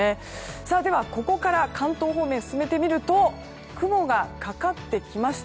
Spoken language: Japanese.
では、ここから関東方面進めてみると雲がかかってきました。